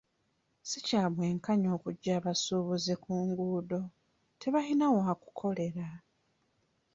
Si kya bwenkanya okuggya abasuubuzi ku nguudo, tebayina waakukolera.